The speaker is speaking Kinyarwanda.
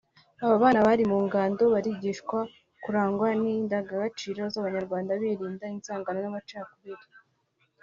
Aba bana bari mu ngando barigishwa kurangwa n’indangagaciro z’Abanyarwanda birinda inzangano n’amacakubiri